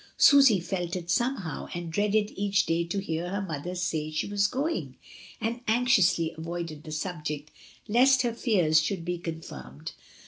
Susy felt it somehow, and dreaded each day to hear her mother say she was going, and anxiously avoided the subject lest her fears should be con firmed.